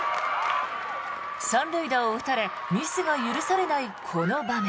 ３塁打を打たれミスが許されないこの場面。